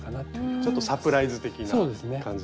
ちょっとサプライズ的な。